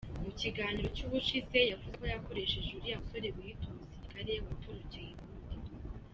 Mukiganiro cy ubushize yavuze ko yakoresheje uriya musore wiyita umusirikare watorokeye iburundi.